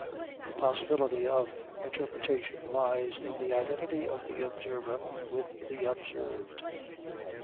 The possibility of interpretation lies in the identity of the observer with the observed.